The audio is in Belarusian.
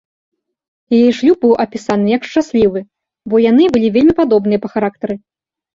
Яе шлюб быў апісаны як шчаслівы, бо яны былі вельмі падобныя па характары.